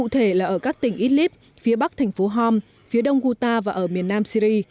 thành phố horm phía đông qatar và ở miền nam syri